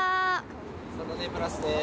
サタデープラスです。